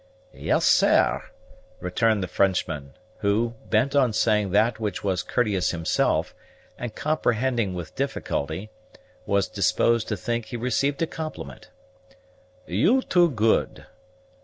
"Yes, sair," returned the Frenchman, who, bent on saying that which was courteous himself, and comprehending with difficulty, was disposed to think he received a compliment, "you too good.